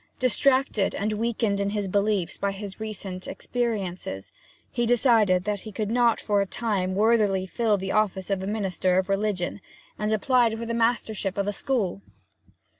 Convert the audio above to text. Distracted and weakened in his beliefs by his recent experiences, he decided that he could not for a time worthily fill the office of a minister of religion, and applied for the mastership of a school.